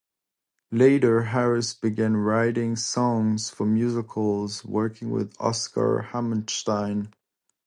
Later, Harris began writing songs for musicals, working with Oscar Hammerstein.